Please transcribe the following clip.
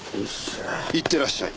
いってらっしゃい。